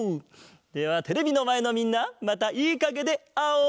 ではテレビのまえのみんなまたいいかげであおう！